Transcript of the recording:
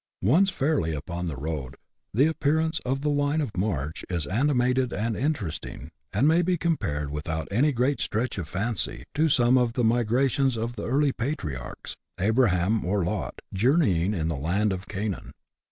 Once fairly upon the road, the appearance of the line of march is animated and interesting, and may be compared, without any great stretch of fancy, to some of the migrations of the early patriarchs, Abraham or Lot, journeying in the land of Canaan.